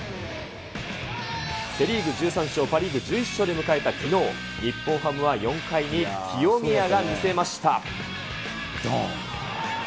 セ・リーグ１３勝、パ・リーグ１１勝で迎えたきのう、日本ハムは４回に清宮が見せました。